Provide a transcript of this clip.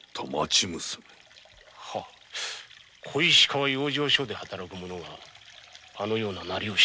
小石川養生所で働く者が確かあのような装りを。